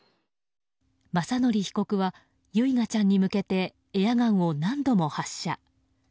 雅則被告は唯雅ちゃんに向けてエアガンを何度も発射。